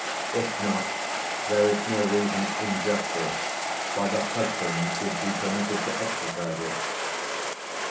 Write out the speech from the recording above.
If not, there is no reason in justice why the husband should be permitted to exercise it.